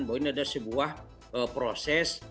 bahwa ini adalah sebuah proses